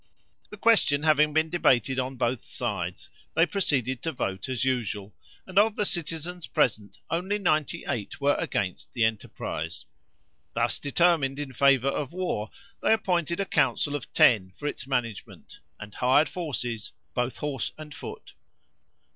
The question having been debated on both sides, they proceeded to vote, as usual, and of the citizens present only ninety eight were against the enterprise. Thus determined in favor of war, they appointed a Council of Ten for its management, and hired forces, both horse and foot.